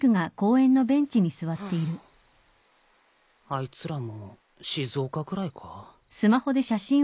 あいつらもう静岡くらいか？